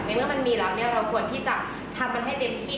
เมื่อมันมีแล้วเราควรที่จะทำมันให้เต็มที่